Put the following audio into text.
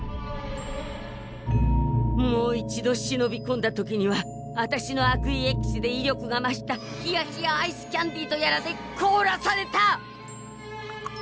もう一度しのびこんだ時にはあたしの悪意エキスで威力が増した冷や冷やアイスキャンディとやらでこおらされた！